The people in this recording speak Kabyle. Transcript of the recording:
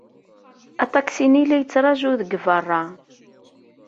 Aṭaksi-nni la yettṛaju deg beṛṛa.